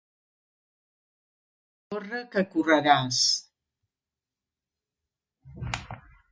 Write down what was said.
Corre que correràs.